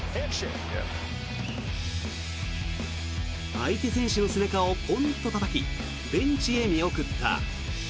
相手選手の背中をポンとたたきベンチへ見送った。